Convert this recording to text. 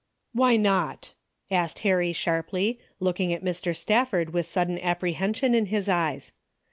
" Why not !" asked Harry sharply, looking at Mr. Stafford with sudden apprehension in his eyes.